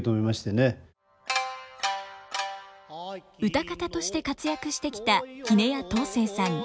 唄方として活躍してきた杵屋東成さん。